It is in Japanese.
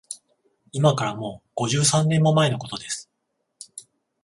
いまから、もう五十三年も前のことです